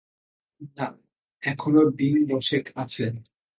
না, এখনো দিন-দশেক আছে।